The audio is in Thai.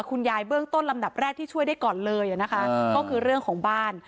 เบื้องต้นลำดับแรกที่ช่วยได้ก่อนเลยนะคะก็คือเรื่องของบ้าน